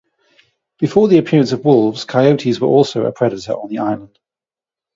Before the appearance of wolves coyotes were also a predator on the island.